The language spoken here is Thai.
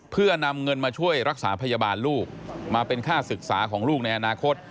เพื่อนำเงินมาช่วยรักษาพยาบาลลูกมาเป็นค่าศึกษาของลูกในอนาคต